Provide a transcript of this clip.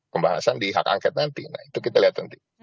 pembahasan di hak angket nanti nah itu kita lihat nanti